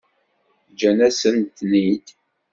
Ǧǧan-asent-ten-id.